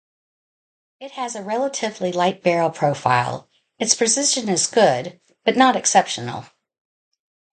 It has a relatively light barrel profile; its precision is good, but not exceptional.